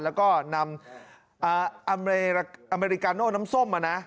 แล้วก็นำอเมริกาโน่น้ำส้มมานะ